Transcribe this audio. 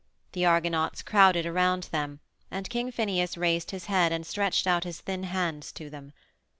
The Argonauts crowded around them and King Phineus raised his head and stretched out his thin hands to them.